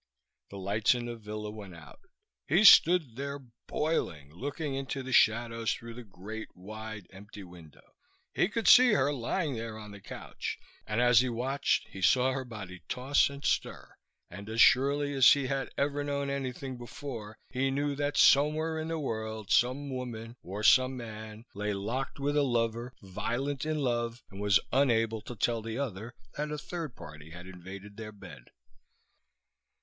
The lights in the villa went out. He stood there, boiling, looking into the shadows through the great, wide, empty window. He could see her lying there on the couch, and as he watched he saw her body toss and stir; and as surely as he had ever known anything before he knew that somewhere in the world some woman or some man! lay locked with a lover, violent in love, and was unable to tell the other that a third party had invaded their bed.